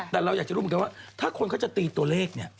แต่เราอยากจะรู้เหมือนกันว่าถ้าคนเขาจะตีตัวเลขเนี่ย